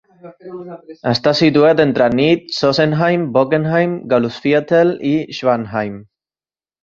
Està situat entre Nied, Sossenheim, Bockenheim, Gallusviertel i Schwanheim.